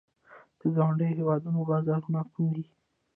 د ګاونډیو هیوادونو بازارونه کوم دي؟